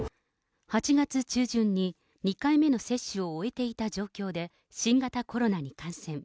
８月中旬に２回目の接種を終えていた状況で、新型コロナに感染。